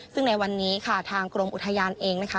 ซึ่งในวันนี้ค่ะทางกรมอุทยานเองนะคะ